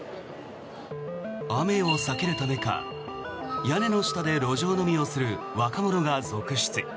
雨を避けるためか屋根の下で路上飲みをする若者が続出。